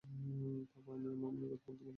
পাপা, আমি আমার মনের কথা বলতে পারিনি।